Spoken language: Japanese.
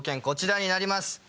こちらになります。